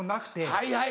はいはい。